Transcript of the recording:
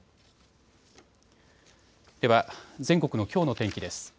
では、全国のきょうの天気です。